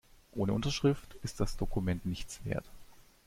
Ohne Unterschrift ist das Dokument nichts wert.